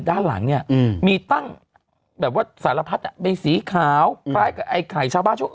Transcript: ด้านหลังเนี่ยมีตั้งแบบว่าสารพัดเป็นสีขาวคล้ายกับไอ้ไข่ชาวบ้าน